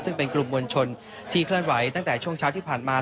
ซึ่งเป็นกลุ่มมวลชนที่เคลื่อนไหวตั้งแต่ช่วงเช้าที่ผ่านมา